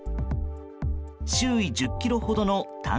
周囲１０ｋｍほどの男